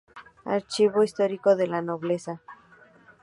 Archivo Histórico de la Nobleza.